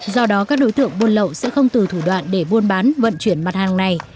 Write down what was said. do đó các đối tượng buôn lậu sẽ không từ thủ đoạn để buôn bán vận chuyển mặt hàng này